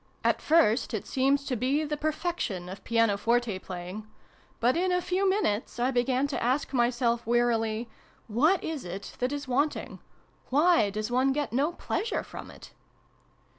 At first it seemed to be the perfection of piano forte playing ; but in a few minutes I began to ask myself, wearily, " What is it that is wanting ? Why does one get no pleasure from it